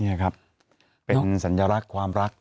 นี่ครับเป็นสัญลักษณ์ความรัก